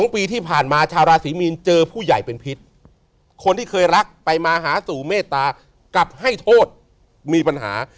ปีที่ผ่านมาชาวราศีมีนเจอผู้ใหญ่เป็นพิษคนที่เคยรักไปมาหาสู่เมตตากลับให้โทษมีปัญหา